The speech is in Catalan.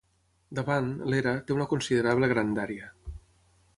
Davant, l'era, té una considerable grandària.